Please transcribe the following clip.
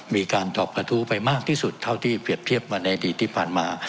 มีการตอบกระทู้ไปมากที่สุดเท่าที่เปรียบเทียบมาในอดีตที่ผ่านมา